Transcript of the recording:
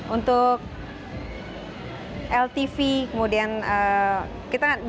untuk ltv kemudian